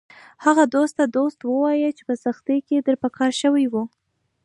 هغه دوست ته دوست ووایه چې په سختۍ کې در په کار شوی و